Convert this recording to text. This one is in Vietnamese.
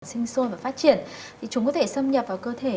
sinh sôi và phát triển thì chúng có thể xâm nhập vào cơ thể